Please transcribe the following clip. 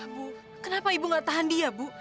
bu kenapa ibu gak tahan dia bu